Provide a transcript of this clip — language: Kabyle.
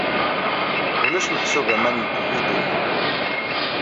Ulac meḥsub aman deg ubidun-a.